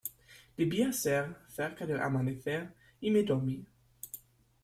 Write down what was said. debía ser cerca del amanecer, y me dormí.